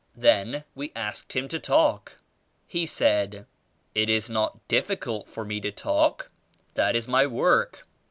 Then we asked him to talk. He said, "It is not difficult for me to talk; that is my work.